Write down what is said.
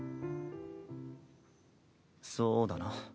そうだな。